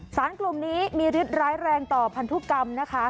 สารกลุ่มนี้มีฤทธิร้ายแรงต่อพันธุกรรมนะคะ